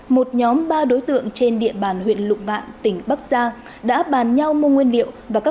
một nhóm ba đối tượng trên địa bàn huyện lục bạn tỉnh bắc giang đã bàn nhau mua nguyên liệu và các